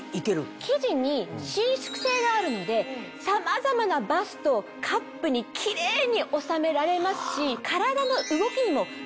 生地に伸縮性があるのでさまざまなバストカップにキレイに収められますし。